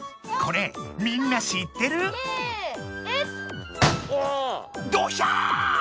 これみんな知ってる？どひゃ！